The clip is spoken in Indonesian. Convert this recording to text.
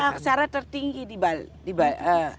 aksara tertinggi di bali